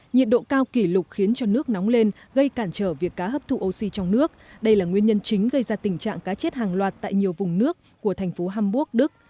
nhiệt độ cao kỷ lục khiến cho nước nóng lên gây cản trở việc cá hấp thụ oxy trong nước đây là nguyên nhân chính gây ra tình trạng cá chết hàng loạt tại nhiều vùng nước của thành phố hamburg đức